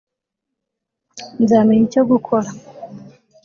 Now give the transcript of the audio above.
nzamenya icyo gukora